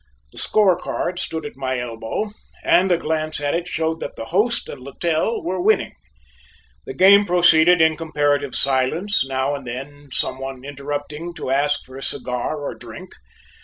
The score card stood at my elbow, and a glance at it showed that the host and Littell were winning. The game proceeded in comparative silence, now and then some one interrupting to ask for a cigar or drink.